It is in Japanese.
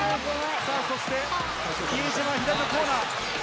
さあ、そして、比江島、左のコーナー。